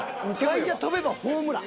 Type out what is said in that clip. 外野飛べばホームラン。